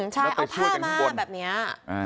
ใช่เอาผ้ามาแบบนี้